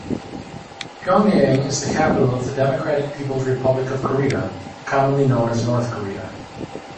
Pyongyang is the capital of the Democratic People's Republic of Korea, commonly known as North Korea.